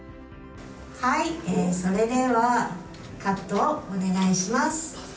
それではカットをお願いします。